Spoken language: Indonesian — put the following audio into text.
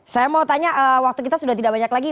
saya mau tanya waktu kita sudah tidak banyak lagi